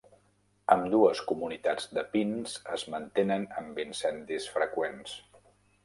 Ambdues comunitats de pins es mantenen amb incendis freqüents.